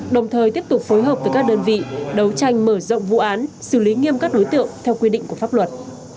đồng thời tiếp tục phối hợp với các đơn vị đấu tranh mở rộng vụ án xử lý nghiêm các đối tượng theo quy định của pháp luật